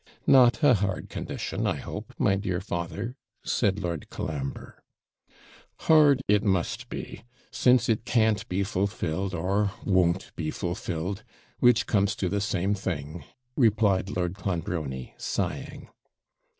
'Not a hard condition, I hope, my dear father,' said Lord Colambre. 'Hard it must be, since it can't be fulfilled, or won't be fulfilled, which comes to the same thing,' replied Lord Clonbrony, sighing.